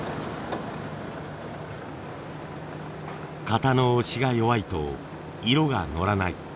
型の押しが弱いと色がのらない。